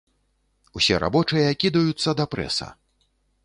Усе рабочыя кідаюцца да прэса.